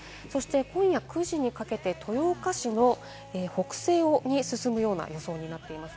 今夜９時にかけて、豊岡市の北西に進むような予想になっています。